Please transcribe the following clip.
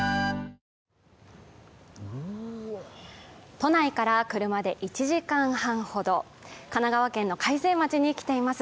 都内から車で１時間半ほど神奈川県の開成町に来ています。